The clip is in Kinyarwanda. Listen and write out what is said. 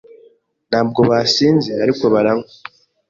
Ntabwo basinze, ariko baranywa.